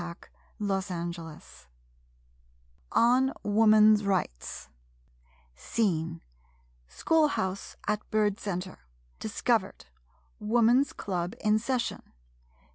] 117 ON WOMAN'S RIGHTS Scene — School house at Bird Center. Discovered — Woman's Club in session.